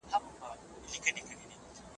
کارپوهان به د جګړې مخه ونیسي.